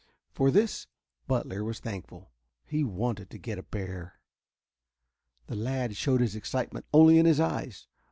For this Butler was thankful. He wanted to get a bear. The lad showed his excitement only in his eyes.